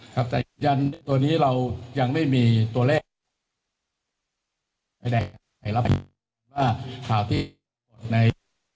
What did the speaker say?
ครับแต่ยันตัวนี้เรายังไม่มีตัวเลขไอ้แดกไอ้รับไปว่าข่าวที่ใน